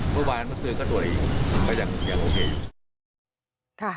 เมื่อวานกลับมาก็ตรวจอีกแต่ยังโอเคอยู่